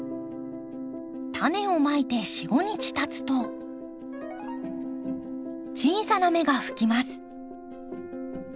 タネをまいて４５日たつと小さな芽が吹きます。